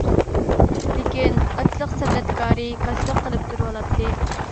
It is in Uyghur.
لېكىن ئاچلىق سەنئەتكارى كاجلىق قىلىپ تۇرۇۋالاتتى.